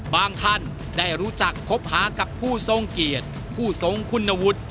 ท่านได้รู้จักคบหากับผู้ทรงเกียรติผู้ทรงคุณวุฒิ